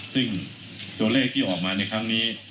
ซึ่งตัวเลขที่ออกมาในครั้งนี้